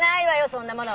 そんなもの。